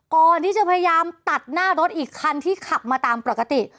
พยายามตัดหน้ารถอีกคันที่ขับมาตามปกติ